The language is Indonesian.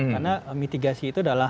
karena mitigasi itu adalah